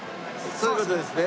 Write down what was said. そういう事ですね。